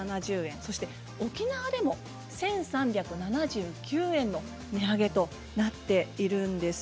沖縄でも１３７９円の値上げとなっているんです。